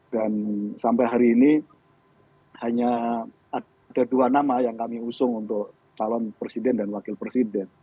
dan sampai hari ini hanya ada dua nama yang kami usung untuk calon presiden dan wakil presiden